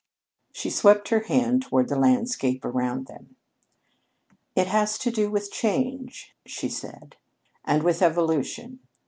She swept her hand toward the landscape around them. "It has to do with change," she said. "And with evolution.